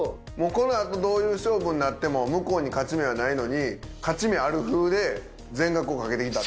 この後どういう勝負になっても向こうに勝ち目はないのに勝ち目あるふうで全額を賭けてきた。